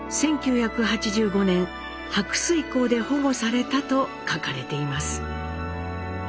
１９８５年「白水江で保護された」と書かれています。